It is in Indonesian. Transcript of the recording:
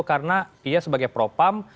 karena ia sebagai propam